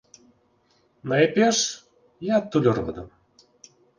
Найперш, я адтуль родам.